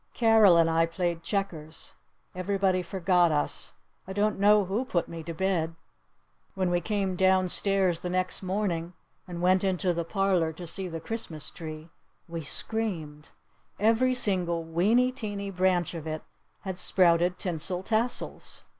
Carol and I played checkers. Everybody forgot us. I don't know who put me to bed. When we came down stairs the next morning and went into the parlor to see the Christmas tree we screamed! Every single weeney teeny branch of it had sprouted tinsel tassels!